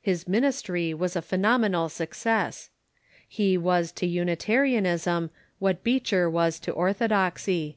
His ministry was a phenomenal success. He Avas to Unitarianism what Beecher was to ortho doxy.